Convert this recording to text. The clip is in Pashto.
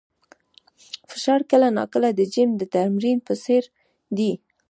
فشار کله ناکله د جیم د تمرین په څېر دی.